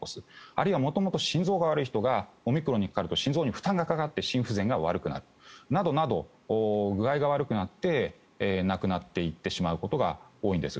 あるいは元々、心臓が悪い人がオミクロンにかかると心臓に負担がかかって心不全が悪くなるなどなど具合が悪くなって亡くなっていってしまうことが多いんです。